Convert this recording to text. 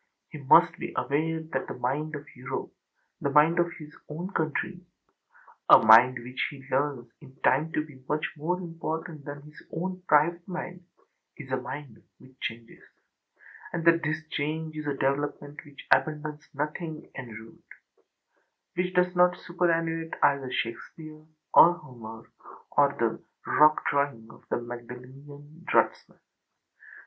He must be aware that the mind of Europeâthe mind of his own countryâa mind which he learns in time to be much more important than his own private mindâis a mind which changes, and that this change is a development which abandons nothing en route, which does not superannuate either Shakespeare, or Homer, or the rock drawing of the Magdalenian draughtsmen.